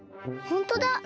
ほんとだ。